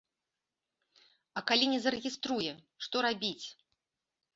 А калі не зарэгіструе, што рабіць?